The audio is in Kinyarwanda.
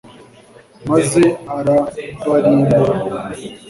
maze arabarimbura